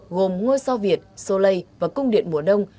gồm ngoài so việt soleil và công điện mùa đông